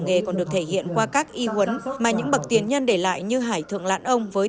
nghề còn được thể hiện qua các y huấn mà những bậc tiền nhân để lại như hải thượng lãn ông với